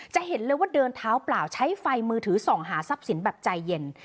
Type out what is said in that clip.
จะเห็นเลยว่าเดินเท้าเปล่าใช้ไฟมือถือส่องหาทรัพย์สินแบบใจเย็น